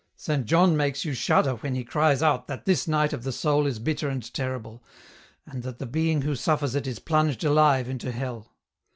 " Saint John makes you shudder when he cries out that this night of the soul is bitter and terrible, and that the being who suffers it is plunged alive into hell.